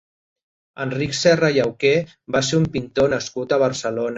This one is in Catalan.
Enric Serra i Auqué va ser un pintor nascut a Barcelona.